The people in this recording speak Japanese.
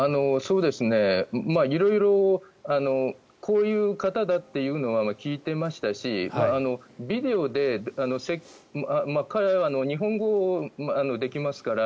色々こういう方だというのは聞いていましたしビデオで彼は日本語もできますから